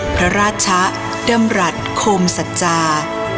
พระราชะดำรัฐโคมสัจจา